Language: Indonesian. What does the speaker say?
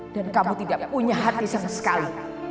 dan kamu tidak punya hati sama sekali